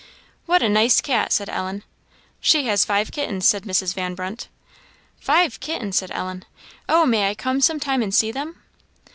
"What a nice cat!" said Ellen. "She has five kittens," said Mrs. Van Brunt. "Five kittens!" said Ellen. "Oh, may I come some time and see them?"